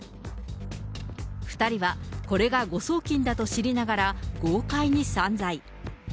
２人はこれが誤送金だと知りながら、豪快に散財。